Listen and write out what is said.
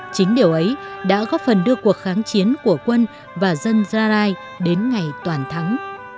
chính điều ấy đã góp phần đưa cuộc kháng chiến của quân và dân zarai đến ngày toàn thắng